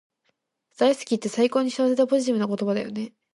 大好きって最高に幸せでポジティブな言葉だよね